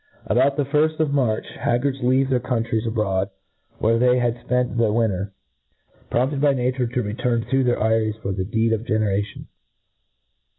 ABOUT the firft of March haggards leave the countries abroad, where they had fpent the winter, prompted by nature to return to their eyries for the deed of generation.